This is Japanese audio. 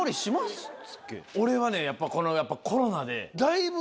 俺はねやっぱこのコロナで。